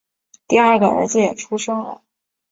第二个儿子也出生了